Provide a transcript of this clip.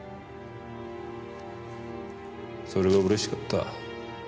それがうれしかった。